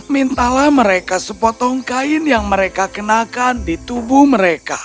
mintalah mereka sepotong kain yang mereka kenakan di tubuh mereka